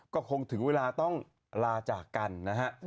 ก็คงถึงเวลาต้องลาจากกันนะฮะ